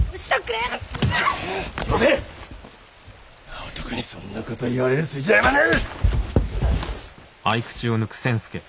間男にそんな事言われる筋合いはねえ！